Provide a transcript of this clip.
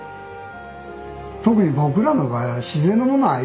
特に僕らの場合は自然のもの